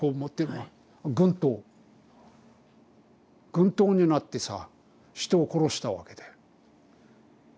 軍刀になってさ人を殺したわけだよ。